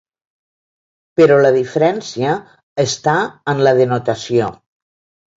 Però la diferència està en la denotació.